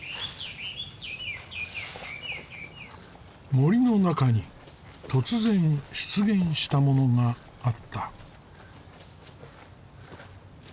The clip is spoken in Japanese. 森の中に突然出現したものがあった。